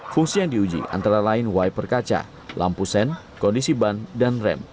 fungsi yang diuji antara lain wiper kaca lampu sen kondisi ban dan rem